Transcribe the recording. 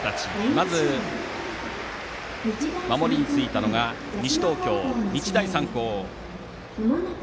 まず、守りについたのが西東京・日大三高。